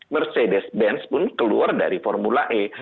mercedes benz pun keluar dari formula e